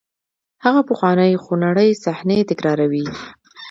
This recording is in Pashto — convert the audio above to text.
هغه پخوانۍ خونړۍ صحنې تکراروئ.